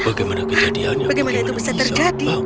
bagaimana itu bisa terjadi